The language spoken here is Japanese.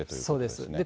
そうです。